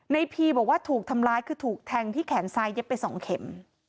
พีบอกว่าถูกทำร้ายคือถูกแทงที่แขนซ้ายเย็บไป๒เข็ม